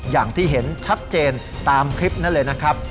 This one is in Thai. อย่างที่เห็นชัดเจนตามคลิปนั้นเลยนะครับ